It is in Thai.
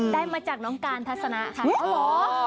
ได้มาจากน้องการทัศนะค่ะ